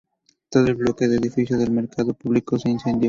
Todo el bloque del edificio del mercado público se incendió.